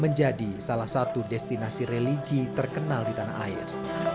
menjadi salah satu destinasi religi terkenal di tanah air